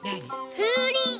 ふうりん。